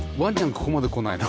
ここまで来ないの？